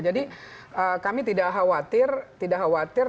jadi kami tidak khawatir